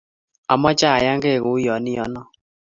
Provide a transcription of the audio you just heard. Ameche ayangei kou ya iyono